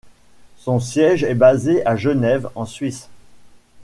Son siège est basé à Genève en Suisse.